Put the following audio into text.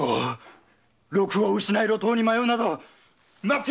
禄を失い路頭に迷うなど真っ平だ！